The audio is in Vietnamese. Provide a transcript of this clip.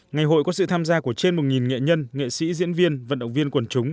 ngày hội có sự tham gia của trên một nghệ nhân nghệ sĩ diễn viên vận động viên quần chúng